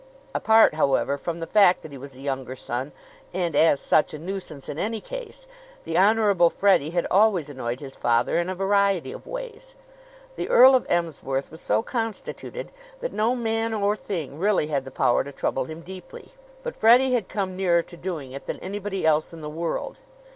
Apart, however, from the fact that he was a younger son, and, as such, a nuisance in any case, the honorable Freddie had always annoyed his father in a variety of ways. The Earl of Emsworth was so constituted that no man or thing really had the power to trouble him deeply; but Freddie had come nearer to doing it than anybody else in the world.